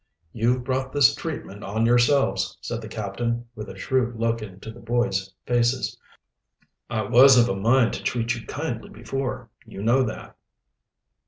"You've brought this treatment on yourselves," said the captain, with a shrewd look into the boys' faces. "I was of a mind to treat you kindly before. You know that."